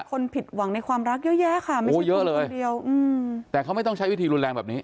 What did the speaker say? คนผิดหวังในความรักเยอะแยะค่ะไม่รู้เยอะเลยคนเดียวอืมแต่เขาไม่ต้องใช้วิธีรุนแรงแบบนี้